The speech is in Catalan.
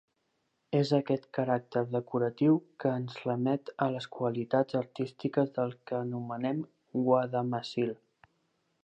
És aquest caràcter decoratiu que ens remet a les qualitats artístiques del que anomenem guadamassil.